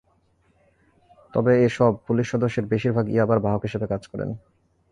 তবে এসব পুলিশ সদস্যের বেশির ভাগ ইয়াবার বাহক হিসেবে কাজ করেন।